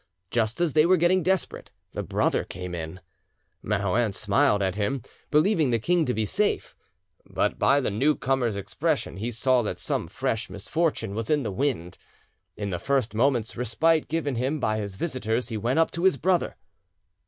Just as they were getting desperate, the brother came in; Maroum smiled at him; believing the king to be safe, but by the new comer's expression he saw that some fresh misfortune was in the wind. In the first moment's respite given him by his visitors he went up to his brother.